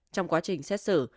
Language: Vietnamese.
trong quá trình xét xử